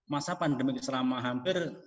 masa pandemi selama hampir